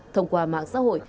thông qua mạng xã hội